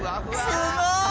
すごい！